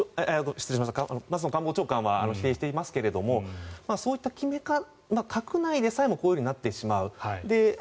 松野官房長官は否定していますがそういった閣内でさえもこうなってしまう。